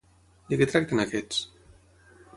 De què tracten aquests?